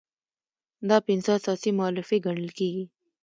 دا پنځه اساسي مولفې ګڼل کیږي.